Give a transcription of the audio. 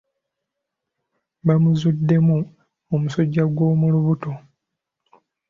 Baamuzuddemu omusujja gw'omu lubuto.